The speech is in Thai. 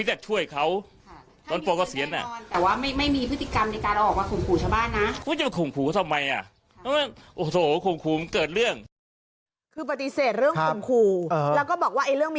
แล้วก็บอกมีปืนน่ะยอมรับจริง